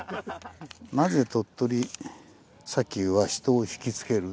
「なぜ鳥取砂丘は人をひきつける？」